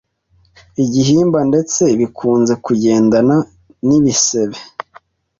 igihimba ndetse bikunze kugendana n’ibisebe